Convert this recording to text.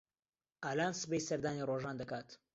ئالان سبەی سەردانی ڕۆژان دەکات.